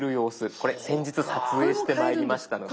これ先日撮影してまいりましたので。